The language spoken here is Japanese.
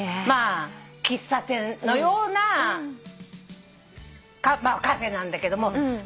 まあ喫茶店のようなカフェなんだけども。